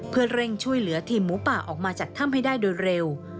เพื่อเร่งช่วยเหลือทีมหมูป่าออกมาจากถ้ำให้ได้โดยเร็ว